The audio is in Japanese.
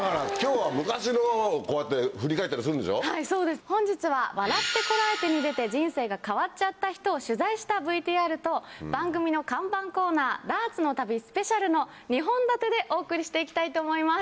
はいそうです本日は『笑ってコラえて！』に出て人生が変わっちゃった人を取材したＶＴＲと番組の看板コーナーダーツの旅スペシャルの２本立てでお送りして行きたいと思います。